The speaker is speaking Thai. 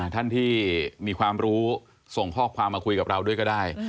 ท่านที่มีความรู้ส่งข้อความมาคุยกับเราด้วยก็ได้